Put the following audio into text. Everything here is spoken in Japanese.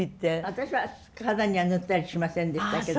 私は体には塗ったりしませんでしたけど。